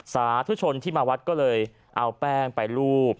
สาธุชนที่มาวัดก็เลยเอาแป้งไปรูป